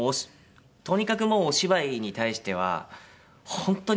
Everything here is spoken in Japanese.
とにかくもうお芝居に対しては本当に。